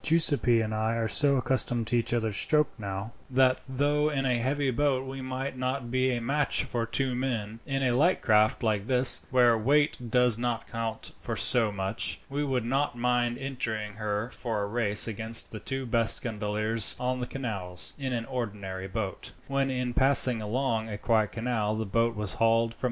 Giuseppi and I are so accustomed to each other's stroke now, that though in a heavy boat we might not be a match for two men, in a light craft like this, where weight does not count for so much, we would not mind entering her for a race against the two best gondoliers on the canals, in an ordinary boat."